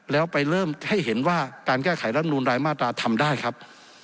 แล้วไปเริ่มให้เห็นว่าการแก้ไขรัฐมนูลรายมาตราทำได้ครับ